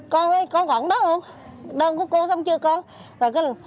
con ơi con gọn đó không đơn của cô xong chưa con